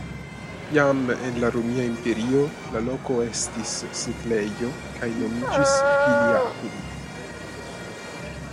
Jam en la romia imperio la loko estis setlejo kaj nomiĝis "Biliacum".